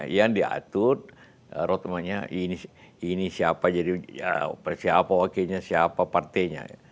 yang diatur roadmanya ini siapa jadi siapa wakilnya siapa partainya